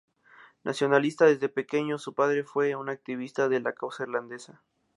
Nacionalista desde pequeño, su padre fue un activista de la causa irlandesa.